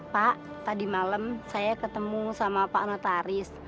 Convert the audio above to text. pak tadi malam saya ketemu sama pak notaris